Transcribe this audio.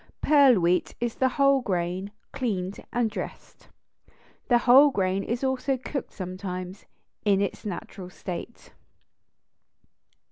Pearl wheat is the whole grain cleaned and dressed. The whole grain is also cooked sometimes in its natural state.